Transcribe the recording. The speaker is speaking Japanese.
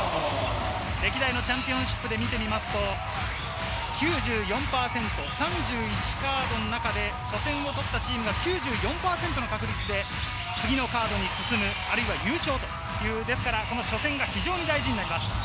歴代のチャンピオンシップで見ると、９４％、３１カードの中で初戦を取ったチームが９４％の確率で次のカードに進む、あるいは優勝というですから初戦が非常に大事になります。